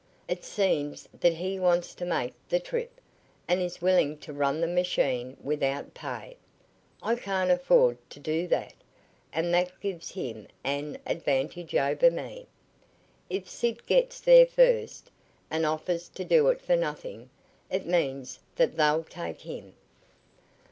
It seems that he wants to make the trip, and is willing to run the machine without pay. I can't afford to do that, and that gives him an advantage over me. If Sid gets there first, and offers to do it for nothing, it means that they'll take him."